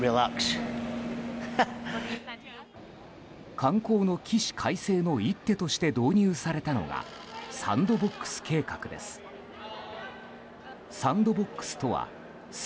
観光の起死回生の一手として導入されたのがサンドボックス計画です。